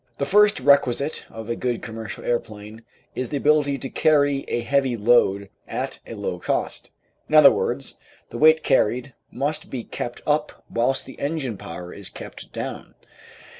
The first requisite of a good commercial aeroplane is the ability to carry a heavy load at a low cost. In other words, the weight carried must be kept up whilst the engine power is kept down.